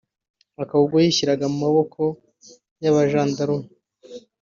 akaba ubwo yishyiraga mu maboko y’abajandarume